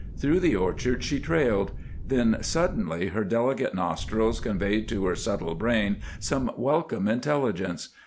Through the orchard she trailed; then suddenly her delicate nostrils conveyed to her subtle brain some welcome intelligence.